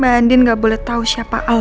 mbak andien gak boleh tau siapa al